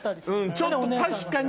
ちょっと確かに。